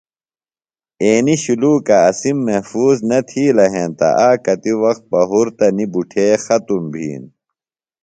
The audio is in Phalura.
اینیۡ شُلوکہ اسِم محفوظ نہ تِھیلہ ہینتہ آکتیۡ وقت پہُرتہ نیۡ بُٹھے ختم بِھین